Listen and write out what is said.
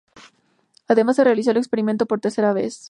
Además, se realizó el experimento por tercera vez.